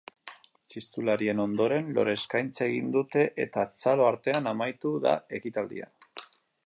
Txistularien ondoren, lore eskaintza egin dute eta txalo artean amaitu da ekitaldia.